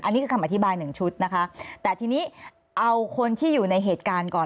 อันนี้คือคำอธิบายหนึ่งชุดนะคะแต่ทีนี้เอาคนที่อยู่ในเหตุการณ์ก่อน